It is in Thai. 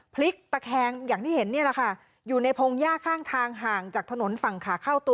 พลิกตะแคงอย่างที่เห็นเนี่ยแหละค่ะอยู่ในพงหญ้าข้างทางห่างจากถนนฝั่งขาเข้าตัว